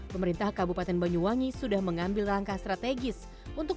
pemerintah kabupaten banyuwangi menegaskan kabupaten banyuwangi sudah siap membuka wisata sejak awal pandemi